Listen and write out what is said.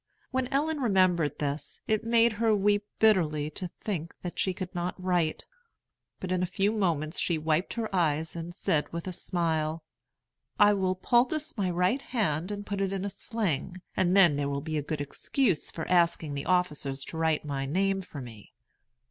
When Ellen remembered this, it made her weep bitterly to think that she could not write. But in a few moments she wiped her eyes and said, with a smile, "I will poultice my right hand and put it in a sling, and then there will be a good excuse for asking the officers to write my name for me."